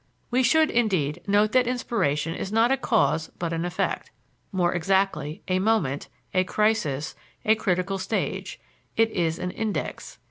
We should, indeed, note that inspiration is not a cause but an effect more exactly, a moment, a crisis, a critical stage; it is an index.